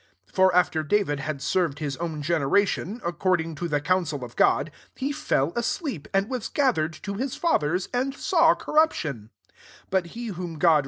36 For after David had served his own generation, according to the counsel of God, he fell asleep, and was gathered to his fathers, and saw corruption : 37 but he whom Grod raised did not see corruption.